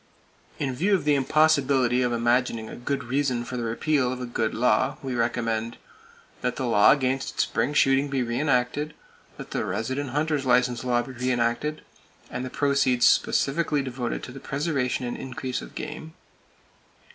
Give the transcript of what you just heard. In view of the impossibility of imagining a good reason for the repeal of a good law, we recommend: That the law against spring shooting be re enacted. That the resident hunter's license law be re enacted, and the proceeds specifically devoted to the preservation and increase of game.